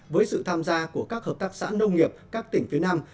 với sự tham gia của các hợp tác xã nông nghiệp các tỉnh phía nam